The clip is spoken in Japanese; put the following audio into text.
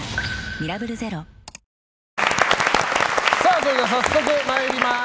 それでは早速参ります。